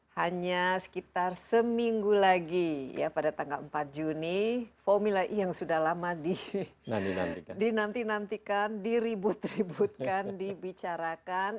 hanya sekitar seminggu lagi ya pada tanggal empat juni formula e yang sudah lama dinantikan diribut ributkan dibicarakan